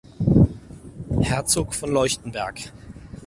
Herzog von Leuchtenberg.